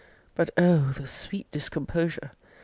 But, O the sweet discomposure!